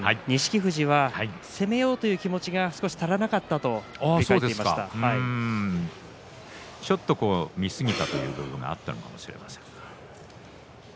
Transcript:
富士は攻めようという気持ちが少し足りなかったとちょっと見すぎたという部分があったのかもしれません。